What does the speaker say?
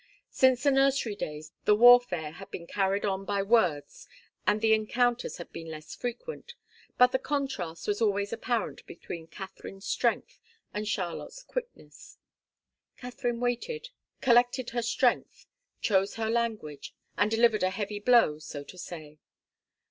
Since the nursery days the warfare had been carried on by words and the encounters had been less frequent, but the contrast was always apparent between Katharine's strength and Charlotte's quickness. Katharine waited, collected her strength, chose her language and delivered a heavy blow, so to say.